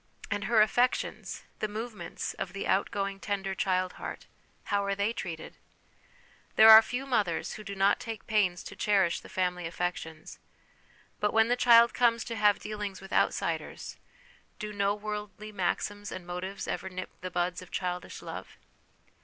And her affections the movements of the outgoing tender child heart how are they treated? There are few mothers who do not take pains to cherish the family affections; but when the child comes to have dealings with outsiders, SOME PRELIMINARY CONSIDERATIONS I/ do no worldly maxims and motives ever nip the buds of childish love